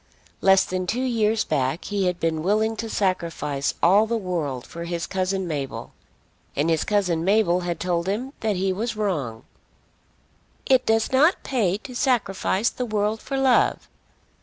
Less than two years back he had been willing to sacrifice all the world for his cousin Mabel, and his cousin Mabel had told him that he was wrong. "It does not pay to sacrifice the world for love."